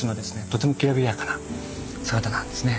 とてもきらびやかな姿なんですね。